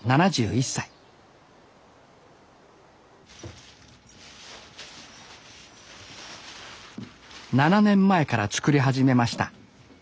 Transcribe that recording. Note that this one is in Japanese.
７１歳７年前から作り始めました。